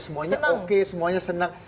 semuanya oke semuanya senang